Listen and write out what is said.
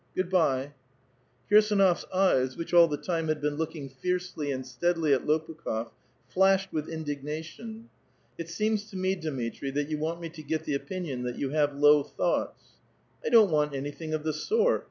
Do sviddnya," Kirsdnofs eyes, which all the time had been looking fiercely and steadily at Lopukh6f, flashed with indignation. '* It seems to me, Dmitri, that you want me to get the opin ion that you have low thoughts." " I don't want anything of the sort.